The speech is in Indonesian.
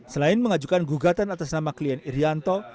selain mengajukan gugatan atas nama klien irianto